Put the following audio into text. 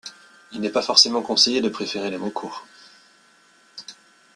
Il n'est pas forcément conseillé de préférer les mots courts.